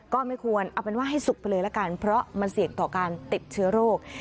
ก็ไม่ควรเอาเป็นว่าให้สุกไปเลยละกันเพราะมันเสี่ยงต่อการติดเชื้อโรค